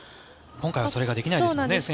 今回はそれができないですよね